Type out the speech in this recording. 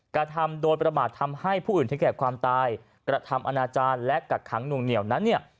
กระทำโดยประมาททำให้ผู้อื่นถึงแก่ความตายกระทำอนาจารย์และกักขังหน่วงเหนียวนั้นเนี่ย